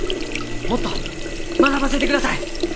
もっと学ばせてください！